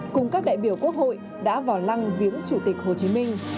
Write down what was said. cùng các đại biểu quốc hội đã vào lăng viếng chủ tịch hồ chí minh